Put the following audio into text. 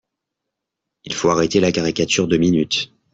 Il faut arrêter la caricature deux minutes